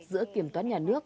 giữa kiểm toán nhà nước